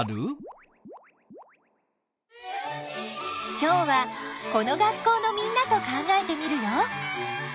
今日はこの学校のみんなと考えてみるよ！